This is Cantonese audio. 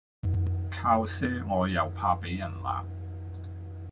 靠賒我又怕俾人鬧